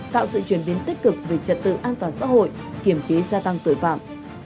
tạo sự truyền biến tích cực về trật tự an toàn xã hội kiểm trí gia tăng tội phạm